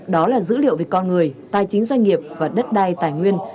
đó là dữ liệu về con người tài chính doanh nghiệp và đất đai tài nguyên